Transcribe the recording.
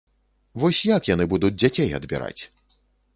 Вось як яны будуць дзяцей адбіраць?